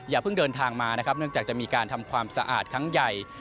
เพิ่งเดินทางมานะครับเนื่องจากจะมีการทำความสะอาดครั้งใหญ่